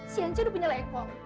si anca udah punya lekong